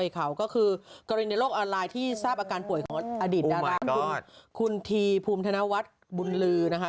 ก็คือกรณีโรคอร้ายที่ทราบอาการป่วยของอดิษฐ์ดาราสคุณคุณธีภูมิธนวัตรบุญลือนะคะ